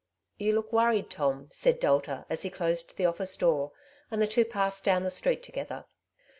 '' You look worried, Tom,'' said Delta as he closed the oflSce door, and the two passed down the street together.